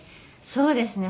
そうですね。